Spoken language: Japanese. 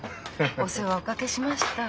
お世話をおかけしました。